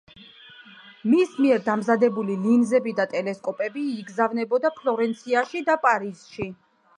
მის მიერ დამზადებული ლინზები და ტელესკოპები იგზავნებოდა ფლორენციაში და პარიზში.